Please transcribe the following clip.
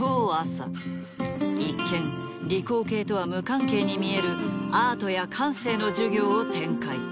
一見理工系とは無関係に見えるアートや感性の授業を展開。